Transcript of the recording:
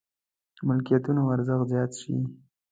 ملکيتونو ارزښت زيات شي.